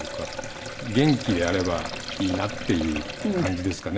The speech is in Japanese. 元気であればいいなっていう感じですかね